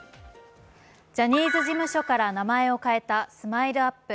ジャニーズ事務所から名前を変えたＳＭＩＬＥ−ＵＰ．。